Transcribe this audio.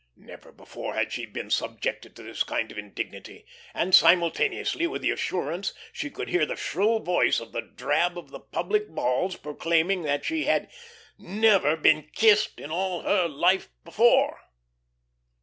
Never before had she been subjected to this kind of indignity. And simultaneously with the assurance she could hear the shrill voice of the drab of the public balls proclaiming that she had "never been kissed in all her life before."